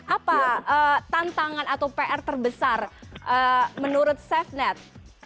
apa tantangan atau pr terbesar menurut safenet